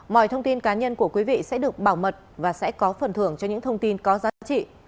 mọi thông tin cá nhân của quý vị sẽ được bảo mật và sẽ có phần thưởng cho những thông tin có giá trị